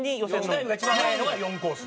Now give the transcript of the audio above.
タイムが一番速いのが４コース。